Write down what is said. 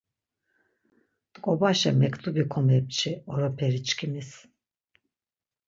T̆ǩobaşe mektubi komepçi oroperi çkimis.